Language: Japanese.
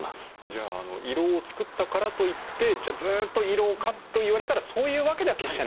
じゃあ胃ろうを作ったからといってじゃあずっと胃ろうかといわれたらそういうわけでは決してないと。